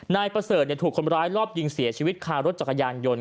นายประเสริฐถูกคนร้ายรอบยิงเสียชีวิตคารถจักรยานยนต์